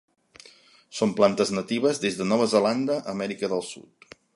Són plantes natives des de Nova Zelanda a Amèrica del Sud.